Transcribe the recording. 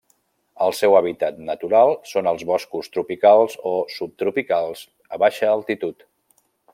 El seu hàbitat natural són els boscos tropicals o subtropicals a baixa altitud.